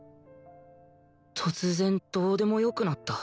突然どうでもよくなった